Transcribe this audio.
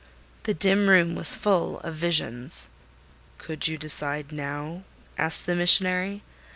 The dim room was full of visions. "Could you decide now?" asked the missionary.